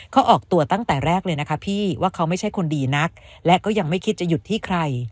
เขาออกตัวตั้งแต่แรกเลยนะคะพี่ว่าเขาไม่ใช่คนดีนักและก็ยังไม่คิดจะหยุดที่ใคร